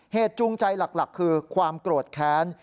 เหตุจูงใจหลักคือความโกรธแขน